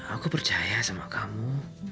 aku percaya sama kamu